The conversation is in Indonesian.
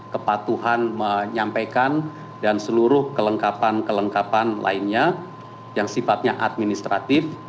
kepatuhan menyampaikan dan seluruh kelengkapan kelengkapan lainnya yang sifatnya administratif